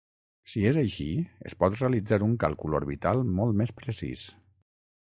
Si és així, es pot realitzar un càlcul orbital molt més precís.